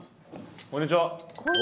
こんにちは。